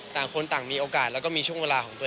ต่างคนต่างมีโอกาสแล้วก็มีช่วงเวลาของตัวเอง